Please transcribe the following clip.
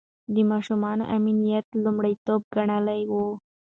د ماشومانو امنيت يې لومړيتوب ګڼلی و.